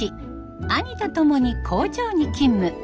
兄とともに工場に勤務。